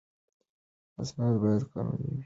اسناد باید قانوني وي.